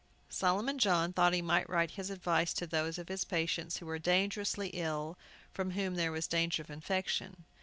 Solomon John thought he might write his advice to those of his patients who were dangerously ill, from whom there was danger of infection.